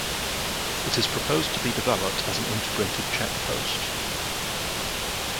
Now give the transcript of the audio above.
It is proposed to be developed as an Integrated Check Post.